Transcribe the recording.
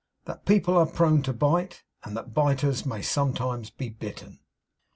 THAT PEOPLE ARE PRONE TO BITE, AND THAT BITERS MAY SOMETIMES BE BITTEN.